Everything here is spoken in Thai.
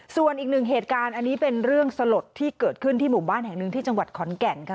ส่วนอีกหนึ่งเหตุการณ์อันนี้เป็นเรื่องสลดที่เกิดขึ้นที่หมู่บ้านแห่งหนึ่งที่จังหวัดขอนแก่นค่ะ